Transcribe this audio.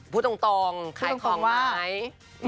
พูดตรงขายของไหม